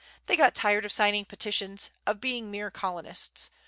They got tired of signing petitions, of being mere colonists.